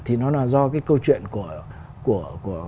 thì nó là do cái câu chuyện của